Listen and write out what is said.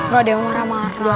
gak ada yang marah marah